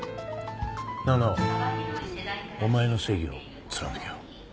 なあ直央お前の正義を貫けよ。